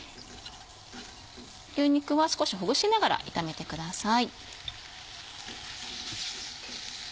牛肉は少しほぐしながら炒めてください。